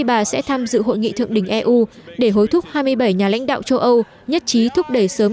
bà sẽ tham dự hội nghị thượng đỉnh eu để hối thúc hai mươi bảy nhà lãnh đạo châu âu nhất trí thúc đẩy sớm